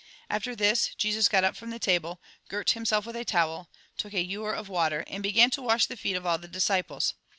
After this, Jesus got up from the table, girt himself with a towel, took a ewer of water, and began to wash the feet of all the disciples.